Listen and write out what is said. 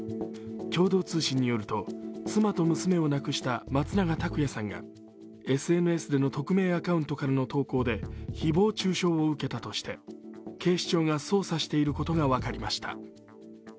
共同通信によると妻と娘を亡くした松永拓也さんがＳＮＳでの匿名アカウントからの投稿でひぼう中傷を受けたとして警視庁が捜査していることが分かりました。